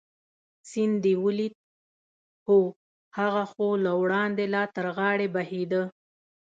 سیند دې ولید؟ هو، هغه خو له وړاندې لا تر غاړې بهېده.